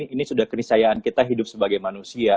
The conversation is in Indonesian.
ini sudah kenisayaan kita hidup sebagai manusia